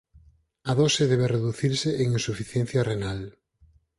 A dose debe reducirse en insuficiencia renal.